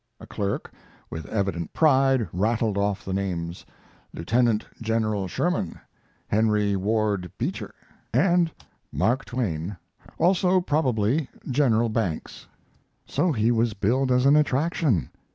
A clerk, with evident pride, rattled off the names: "Lieutenant General Sherman, Henry Ward Beecher, and Mask Twain; also probably General Banks." So he was billed as an attraction.